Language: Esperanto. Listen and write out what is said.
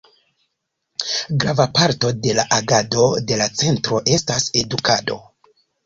Grava parto de la agado de la Centro estas edukado.